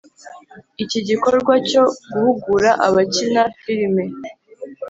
iki gikorwa cyo guhugura abakina filime